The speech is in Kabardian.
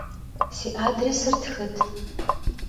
Si adrêsır txıt.